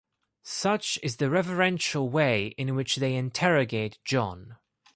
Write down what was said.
Such is the reverential way in which they interrogate John.